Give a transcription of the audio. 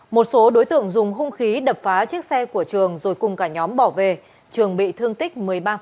một số đối tượng dùng hung khí đập phá chiếc xe của trường rồi cùng cả nhóm bỏ về trường bị thương tích một mươi ba